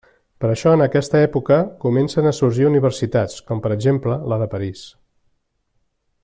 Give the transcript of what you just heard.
Per això, en aquesta època, comencen a sorgir universitats, com per exemple, la de París.